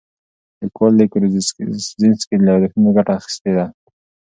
لیکوال د کروزینسکي له یادښتونو ګټه اخیستې ده.